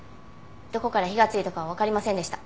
どこから火がついたかはわかりませんでした。